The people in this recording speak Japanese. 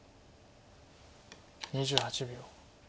２８秒。